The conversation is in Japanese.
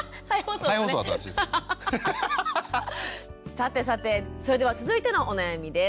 さてさてそれでは続いてのお悩みです。